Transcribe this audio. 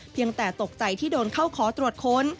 แต่ตกใจที่โดนเข้าขอตรวจค้น